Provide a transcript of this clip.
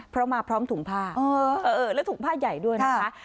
เพราะมาพร้อมถุงผ้าและถุงผ้าใหญ่ด้วยนะคะ